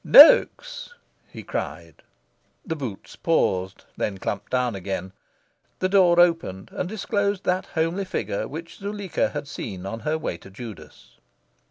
"Noaks!" he cried. The boots paused, then clumped down again. The door opened and disclosed that homely figure which Zuleika had seen on her way to Judas.